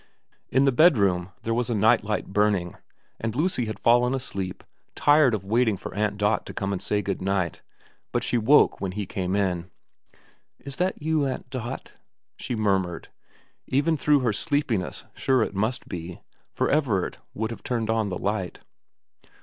In the bedroom there was a night light burning, and Lucy had fallen asleep, tired of waiting for Aunt Dot to come and say good night, but she woke when he came in. ' Is that you, Aunt Dot ?' she murmured, even through her sleepiness sure it must be, for Everard would have turned on the light.